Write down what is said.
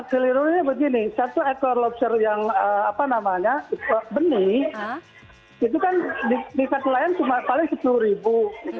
kelirunya begini satu ekor lobster yang apa namanya benih itu kan di kat lain paling sepuluh ribu